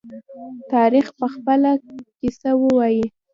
تاریخ به خپله قصه ووايي.